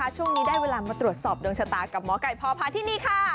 ช่วงนี้ได้เวลามาตรวจสอบดวงชะตากับหมอไก่พอพาที่นี่ค่ะ